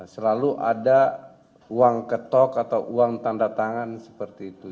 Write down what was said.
selalu ada uang ketok atau uang tanda tangan seperti itu